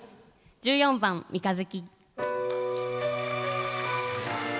１４番「三日月」。